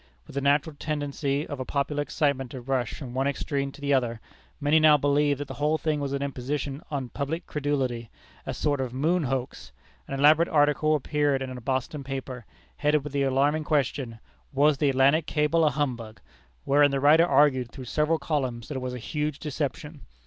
With the natural tendency of a popular excitement to rush from one extreme to the other, many now believed that the whole thing was an imposition on public credulity, a sort of "Moon hoax." An elaborate article appeared in a Boston paper, headed with the alarming question, "Was the Atlantic cable a humbug?" wherein the writer argued through several columns that it was a huge deception.